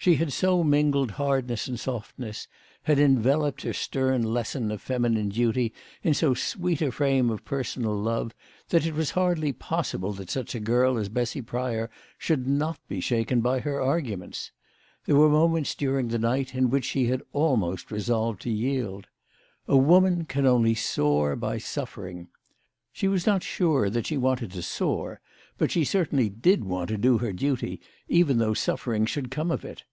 She had so mingled hardness and softness, had enveloped her stern lesson of feminine duty in so sweet a frame of personal love, that it was hardly pos sible that such a girl as Bessy Pry or should not be shaken by her arguments. There were moments during the night in which she had almost resolved to yield. " A woman can soar only by suffering." She was not sure that she wanted to soar, but she certainly did want to do her duty, even though suffering should come of it.